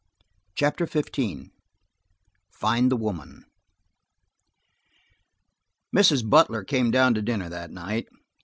CHAPTER XV FIND THE WOMAN MRS. BUTLER came down to dinner that night.